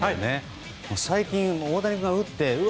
最近、大谷君が打ってうわ！